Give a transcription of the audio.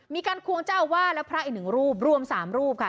มีการควงเจ้าอาวาดและพระอีก๑รูปรวม๓รูปค่ะ